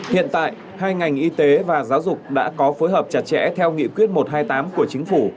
hiện tại hai ngành y tế và giáo dục đã có phối hợp chặt chẽ theo nghị quyết một trăm hai mươi tám của chính phủ